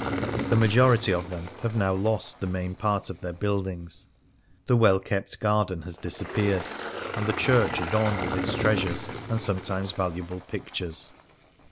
The majority of them have now lost the main part of their buildings; the well kept garden has disappeared, and the church adorned with its treasures, and sometimes valuable pictures.